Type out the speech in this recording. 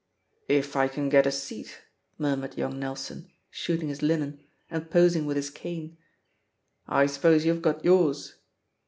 '* "If I can get a seat,'* murmured young Nel son, shooting his linen, and posing with his cane. "I suppose youVe got yours?"